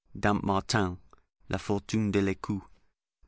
[Dampmartin, La Fortune de la Coup, liv.